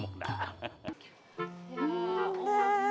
ya allah allah